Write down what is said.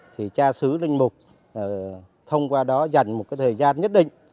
thì cha sứ linh mục thông qua đó dành một thời gian nhất định